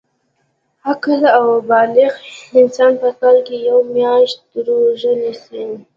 عاقل او بالغ انسان په کال کي یوه میاشت روژه نیسي